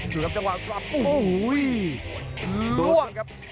ดูครับจังหวะสลับโอ้โหล่วงครับ